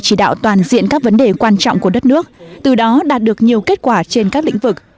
chỉ đạo toàn diện các vấn đề quan trọng của đất nước từ đó đạt được nhiều kết quả trên các lĩnh vực